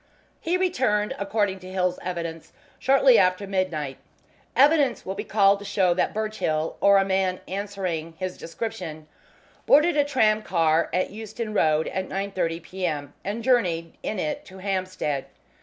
He returned, according to Hill's evidence, shortly after midnight. Evidence will be called to show that Birchill, or a man answering his description, boarded a tramcar at Euston Road at 9.30 p.m., and journeyed in it to Hampstead.